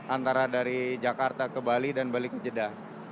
antara dari jakarta ke bali dan bali ke jedah